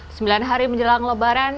sembilan hari menjelang lebaran